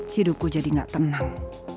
hidupku jadi gak tenang